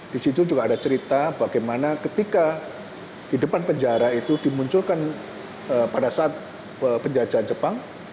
di situ juga ada cerita bagaimana ketika di depan penjara itu dimunculkan pada saat penjajahan jepang